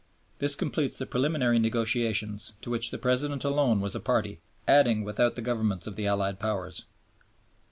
This completes the preliminary negotiations to which the President alone was a party, adding without the Governments of the Allied Powers.